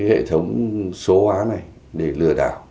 hệ thống số hóa này để lừa đảo